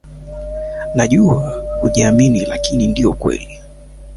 Najua hujaamini, lakini ndio ukweli